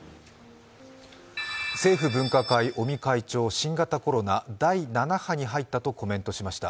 政府分科会・尾身会長、新型コロナ、第７波に入ったとコメントしました